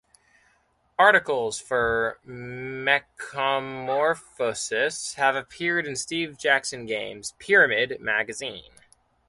Articles for "Mechamorphosis" have appeared in Steve Jackson Games' "Pyramid" magazine.